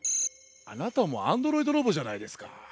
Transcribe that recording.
あなたもアンドロイドロボじゃないですか。